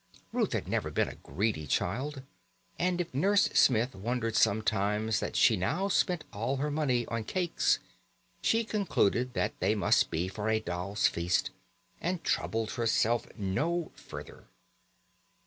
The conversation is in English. Ruth had never been a greedy child, and if Nurse Smith wondered sometimes that she now spent all her money on cakes, she concluded that they must be for a dolls' feast, and troubled herself no further.